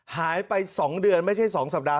หายไป๒เดือนไม่ใช่๒สัปดาห